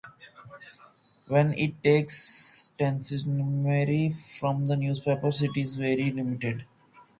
When it takes testimony from newspapers it is very limited.